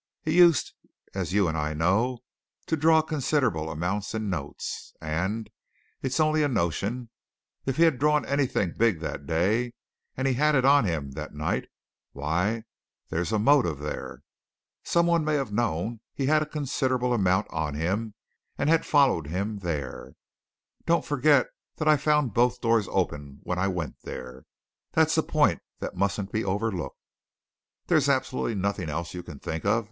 He used, as you and I know, to draw considerable amounts in notes. And it's only a notion if he'd drawn anything big that day, and he had it on him that night, why, there's a motive there. Somebody may have known he'd a considerable amount on him and have followed him in there. Don't forget that I found both doors open when I went there! That's a point that mustn't be overlooked." "There's absolutely nothing else you can think of?"